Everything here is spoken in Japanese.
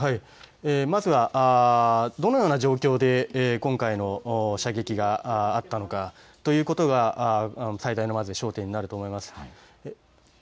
まずはどのような状況で今回の射撃があったのかということが最大の焦点になると思います。